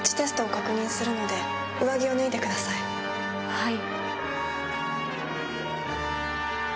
はい。